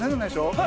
はい。